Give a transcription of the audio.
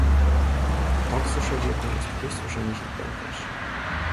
Die toxische Wirkung ist höchstwahrscheinlich identisch.